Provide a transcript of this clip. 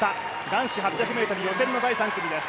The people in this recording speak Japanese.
男子８００ｍ予選の第３組です。